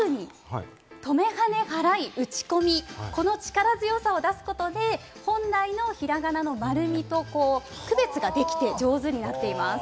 特に、とめ、はね、はらい、うちこみ、この力強さを出すことで、本来のひらがなの丸みと区別ができて上手になっています。